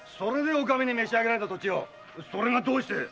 それがどうしたい？